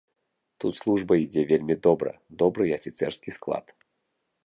Тут служба ідзе вельмі добра, добры і афіцэрскі склад.